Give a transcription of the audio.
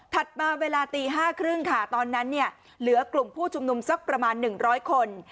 มาเวลาตี๕๓๐ค่ะตอนนั้นเนี่ยเหลือกลุ่มผู้ชุมนุมสักประมาณ๑๐๐คน